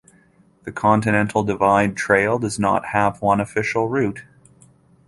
The Continental Divide Trail does not have one official route.